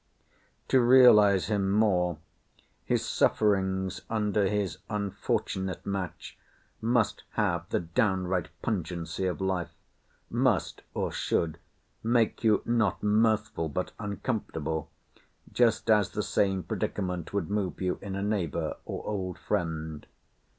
To realise him more, his sufferings under his unfortunate match must have the downright pungency of life—must (or should) make you not mirthful but uncomfortable, just as the same predicament would move you in a neighbour or old friend.